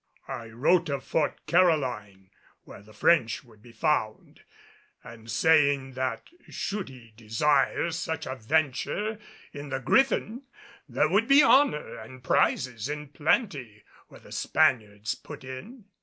I wrote of Fort Caroline, where the French would be found, and saying that should he desire such a venture in the Griffin, there would be honor and prizes in plenty where the Spaniards put in.